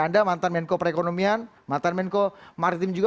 anda mantan menko perekonomian mantan menko maritim juga